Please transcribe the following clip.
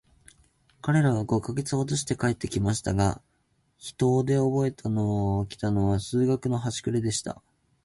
彼等は五ヵ月ほどして帰って来ましたが、飛島でおぼえて来たのは、数学のはしくれでした。